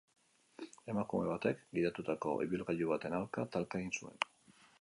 Emakume batek gidatutako ibilgailu baten aurka talka egin zuen.